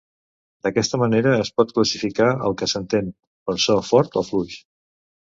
D'aquesta manera es pot classificar el que s'entén per so fort o fluix.